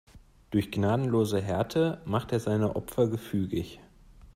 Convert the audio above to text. Durch gnadenlose Härte macht er seine Opfer gefügig.